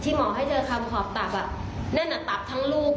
หมอให้เธอคำขอบตับนั่นตับทั้งลูก